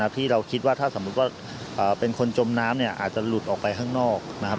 ที่เราคิดว่าถ้าสมมุติว่าเป็นคนจมน้ำอาจจะหลุดออกไปข้างนอกนะครับ